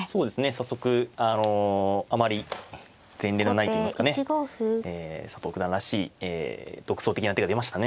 早速あのあまり前例のないといいますかね佐藤九段らしい独創的な手が出ましたね。